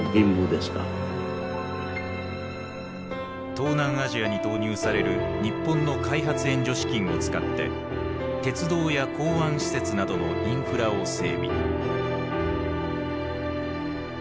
東南アジアに投入される日本の開発援助資金を使って鉄道や港湾施設などのインフラを整備。